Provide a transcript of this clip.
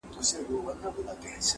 و دهقان ته يې ورپېښ کړل تاوانونه،